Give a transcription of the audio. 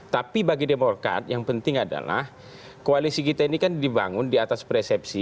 tapi bagi demokrat yang penting adalah koalisi kita ini kan dibangun di atas persepsi